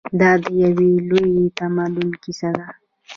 دا د یو لوی تمدن کیسه ده.